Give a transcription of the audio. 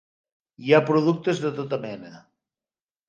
Hi ha productes de tota mena.